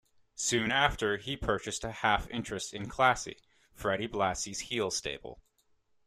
Soon after, he purchased a "half interest" in "Classy" Freddie Blassie's heel stable.